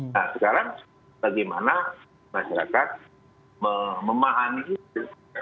nah sekarang bagaimana masyarakat memahami itu